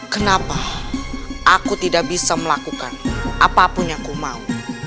kenapa aku tidak bisa melakukan apapun yang ku mau